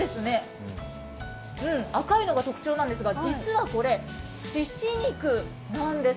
赤いのが特徴なんですが、実はこれ、しし肉なんです。